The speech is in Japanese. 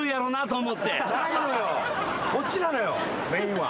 こっちなのよメインは。